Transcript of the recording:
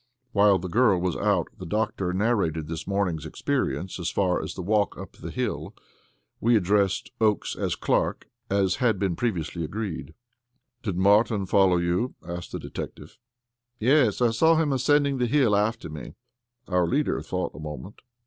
While the girl was out, the doctor narrated his morning's experience as far as the walk up the hill. We addressed Oakes as Clark, as had been previously agreed. "Did Martin follow you?" asked the detective. "Yes, I saw him ascending the hill after me." Our leader thought a moment.